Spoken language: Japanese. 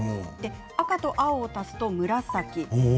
赤と青を足すと紫。